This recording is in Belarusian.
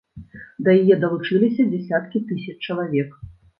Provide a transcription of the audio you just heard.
Да яе далучыліся дзясяткі тысяч чалавек.